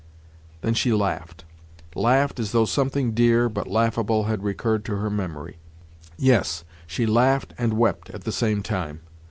Then she laughed—laughed as though something dear, but laughable, had recurred to her memory. Yes, she laughed and wept at the same time.